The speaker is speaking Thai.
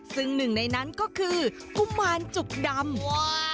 ซึ่งหนึ่งในนั้นก็คือกุมารจุกดำ